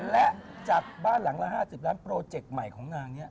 และจัดบ้านหลังละ๕๐ล้านโปรเจกต์ใหม่ของนางนี้